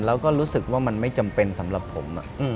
มันคิดว่ามันไม่จำเป็นสำหรับผม